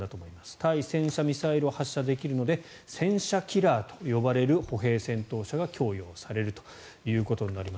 対戦車ミサイルを発射できるので戦車キラーと呼ばれる歩兵戦闘車が供与されるということになります。